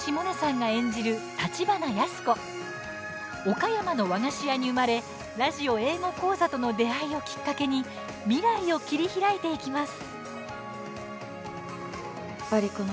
岡山の和菓子屋に生まれラジオ英語講座との出会いをきっかけに未来を切り開いていきます。